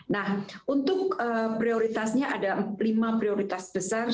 nah untuk prioritasnya ada lima prioritas besar